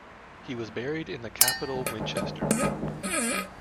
He was buried in the capital Winchester.